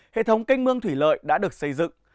hệ thống canh mương thủy lợi đã được xây dựng